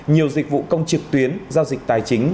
nhiều dịch vụ công trực tuyến giao dịch tài chính